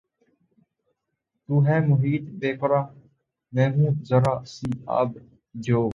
تو ہے محیط بیکراں میں ہوں ذرا سی آب جو